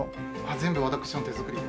全部私の手作りで。